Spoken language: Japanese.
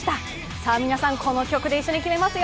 さあ、皆さん、この曲で一緒に決めますよ。